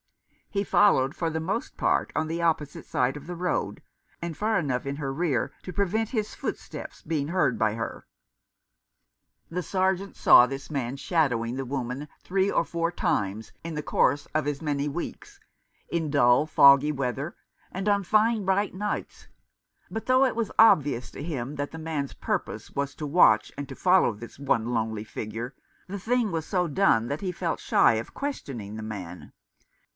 He followed for the most part on the opposite side of the road, and far enough in her rear to prevent his footsteps being heard by her. The Sergeant saw this man shadowing the woman three or four times in the course of as many weeks — in dull, foggy weather, and on fine bright nights ; but though it was obvious to him that the man's purpose was to watch and to follow 249 Rough Justice. this one lonely figure, the thing was so done that he felt shy of questioning the man.